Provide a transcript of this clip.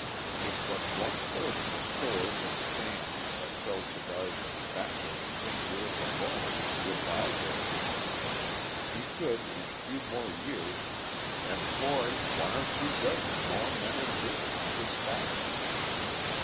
If but one third of the stores and stands that sell cigars and tobacco in St. Louis alone would buy their goods of him he could in a few more years employ one or two dozen more men and women in his factory.